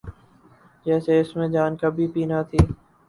جیسے اس میں جان کبھی بھی نہ تھی۔